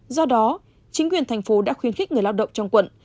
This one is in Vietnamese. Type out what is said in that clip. do đó chính quyền thành phố đã khuyến khích người lao động trong quận